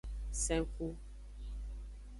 Sen ku.